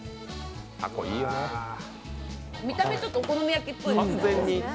見た目、ちょっとお好み焼きっぽいでしょ。